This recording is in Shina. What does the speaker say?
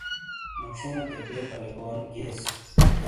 موشین تھے بے بلے گون گییس۔